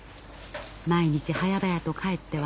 毎日はやばやと帰っては模型を作り